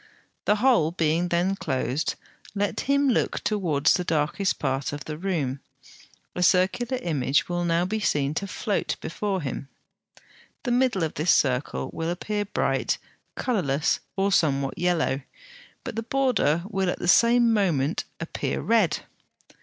The hole being then closed, let him look towards the darkest part of the room; a circular image will now be seen to float before him. The middle of this circle will appear bright, colourless, or somewhat yellow, but the border will at the same moment appear red.